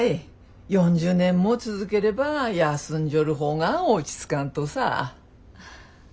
４０年も続ければ休んじょる方が落ち着かんとさ。